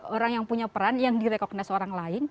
orang yang punya peran yang direkognas orang lain